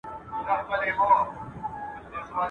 پوروړی د مور مېړه دئ.